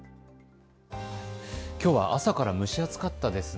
きょうは朝から蒸し暑かったですね。